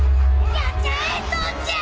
やっちゃえ父ちゃん！